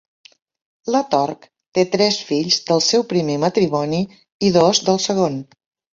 La Tork té tres fills del seu primer matrimoni i dos del segon.